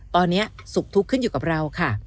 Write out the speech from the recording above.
ตอนนี้สุขทุกข์ขึ้นอยู่กับเราค่ะ